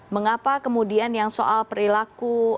mengapa kemudian yang soal perilaku